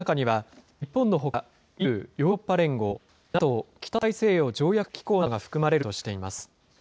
アメリカ政府高官は、この中には日本のほか、ＥＵ・ヨーロッパ連合、ＮＡＴＯ・北大西洋条約機構などが含まれるとしています。